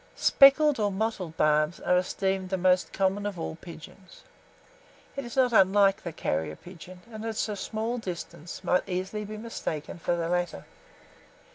Speckled or mottled Barbs are esteemed the most common of all pigeons. It is not unlike the Carrier pigeon, and, at a small distance, might easily be mistaken for the latter.